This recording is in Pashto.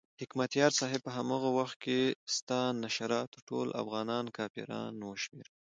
حکمتیار صاحب په هماغه وخت کې ستا نشراتو ټول افغانان کافران وشمېرل.